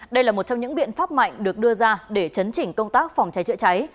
đây là một trong những biện pháp mạnh được đưa ra để chấn chỉnh công tác phòng cháy chữa cháy